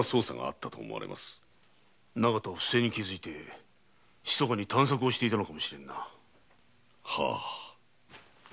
長門は不正に気づいてひそかに探索していたのかもしれぬな。